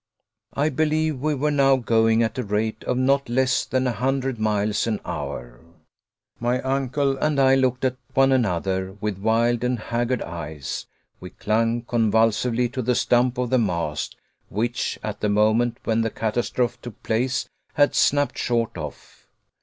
I believe we were now going at a rate of not less than a hundred miles an hour. My uncle and I looked at one another with wild and haggard eyes; we clung convulsively to the stump of the mast, which, at the moment when the catastrophe took place, had snapped short off.